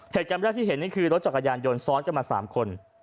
เหตุการณ์แรกที่เห็นนี่คือรถจักรยานยนต์ซ้อนกันมา๓คน